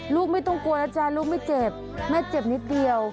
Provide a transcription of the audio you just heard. ไม่ต้องกลัวนะจ๊ะลูกไม่เจ็บแม่เจ็บนิดเดียว